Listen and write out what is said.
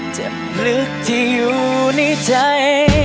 เจ็บลึกที่อยู่ในใจ